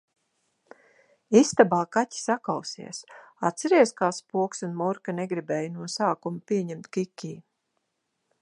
Istabā kaķi sakausies! atceries, kā Spoks un Murka negribēja no sākuma pieņemt Kikī?...